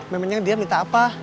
memangnya dia minta apa